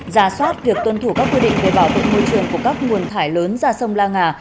giả soát việc tuân thủ các quy định về bảo vệ môi trường của các nguồn thải lớn ra sông la nga